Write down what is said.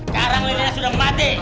karang sudah mati